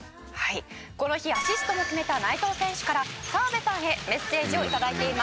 「この日アシストも決めた内藤選手から澤部さんへメッセージを頂いています」